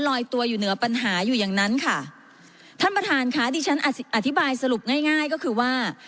ลอยตัวอยู่เหนือปัญหาอยู่อย่างนั้นค่ะท่านประธานค่ะดิฉันอธิบายสรุปง่ายง่ายก็คือว่า